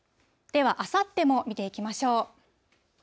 では、あさっても見ていきましょう。